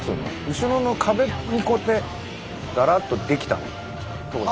後ろの壁にこうやってだらっとできたの当時。